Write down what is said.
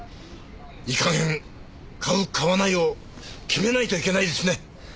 いい加減買う買わないを決めないといけないですね！